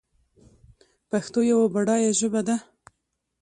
پښتو یوه بډایه ژبه ده.